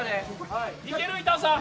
いける板尾さん。